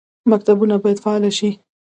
مکتبونه باید فعال شي